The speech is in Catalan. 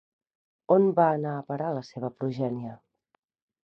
On va anar a parar la seva progènie?